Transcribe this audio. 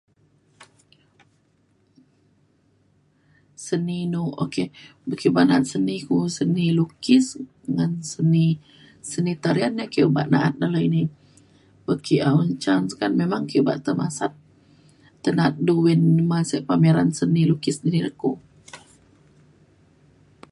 seni inu ok bek ke bada seni ku seni lukis ngan seni seni tarian na ki obak na'at dalau ini ut ke um un ca [unintelligible] memang ke obak te masat te na'at du win masek pameran seni lukis seni dini le ku